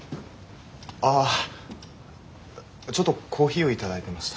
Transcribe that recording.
ああちょっとコーヒーを頂いてました。